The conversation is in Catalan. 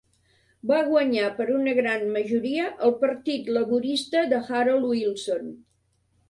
Va guanyar per una gran majoria el Partit Laborista de Harold Wilson.